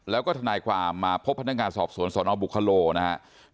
แล้วก็ทนายความมาพบพนักงานสอบสวนสนบุคโลนะครับ